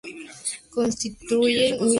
Construye un nido en forma de cuenco.